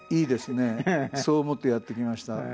そう思ってやってきました。